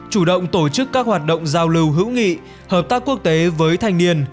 chủ động tổ chức các hoạt động giao lưu hữu nghị hợp tác quốc tế với thanh niên